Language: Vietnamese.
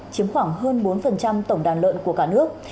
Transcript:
chiếm khoảng hơn bốn tổng đàn lợn của cả nước